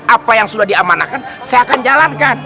apa yang sudah diamanahkan saya akan jalankan